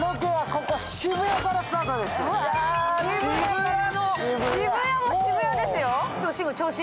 渋谷も渋谷ですよ。